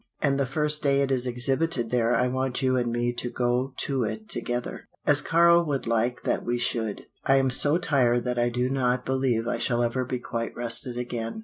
And the first day it is exhibited there I want you and me to go to it together, as Karl would like that we should. "I am so tired that I do not believe I shall ever be quite rested again.